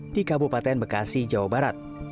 di kabupaten bekasi jawa barat